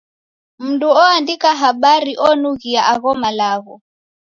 Mndu oandika habari onughia agho malagho.